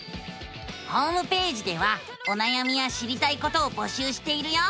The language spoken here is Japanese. ホームページではおなやみや知りたいことを募集しているよ！